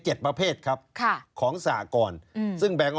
ชีวิตกระมวลวิสิทธิ์สุภาณฑ์